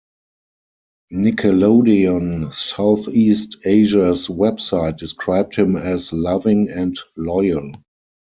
Nickelodeon Southeast Asia's website described him as "loving" and "loyal.